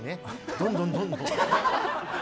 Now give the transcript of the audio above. どんどんどんどん。